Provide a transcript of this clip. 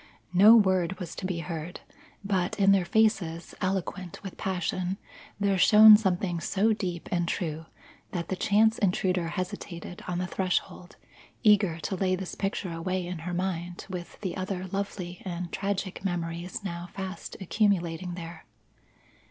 No word was to be heard, but in their faces, eloquent with passion, there shone something so deep and true that the chance intruder hesitated on the threshold, eager to lay this picture away in her mind with the other lovely and tragic memories now fast accumulating there.